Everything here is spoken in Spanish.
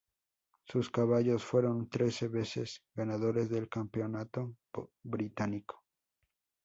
Sus caballos fueron trece veces ganadores del Campeonato Británico.